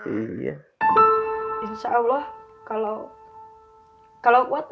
iya insyaallah kalau kalau buat